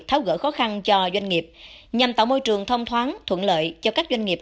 tháo gỡ khó khăn cho doanh nghiệp nhằm tạo môi trường thông thoáng thuận lợi cho các doanh nghiệp